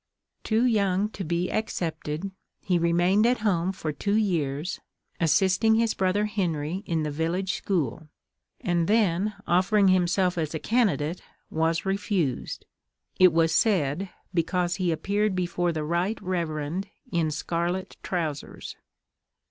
Too young to be accepted, he remained at home for two years, assisting his brother Henry in the village school; and then offering himself as a candidate, was refused, it was said, because he appeared before the right reverend in scarlet trousers!